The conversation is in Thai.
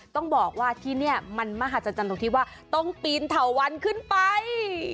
ต้องบอกว่าที่นี่มันมหัศจรรย์ตรงที่ว่าต้องปีนเถาวันขึ้นไป